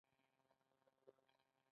پیسې د یوې موضوع لپاره دوهمي هڅوونکي دي.